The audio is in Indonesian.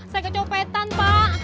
saya kecopetan pak